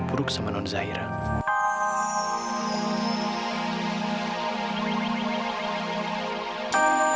bisa jadi apa apa